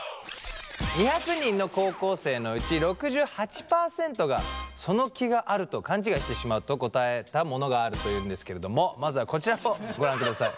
２００人の高校生のうち６８％がその気があると勘違いしてしまうと答えたものがあるというんですけれどもまずはこちらをご覧ください。